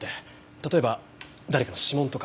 例えば誰かの指紋とか。